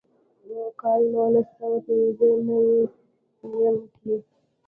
کال نولس سوه پينځۀ نوي يم کښې